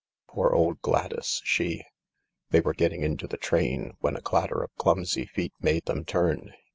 " Poor old Gladys, she ——" They were getting into the train, when a clatter of clumsy feet made them turn.